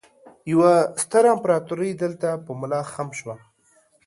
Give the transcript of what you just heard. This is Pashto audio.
يوه ستره امپراتورۍ دلته په ملا خم شوه